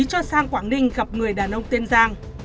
cho sang quảng ninh gặp người đàn ông tiên giang